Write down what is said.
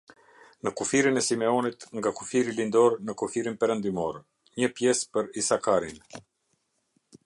Në kufirin e Simeonit, nga kufiri lindor në kufirin perëndimor: një pjesë për Isakarin.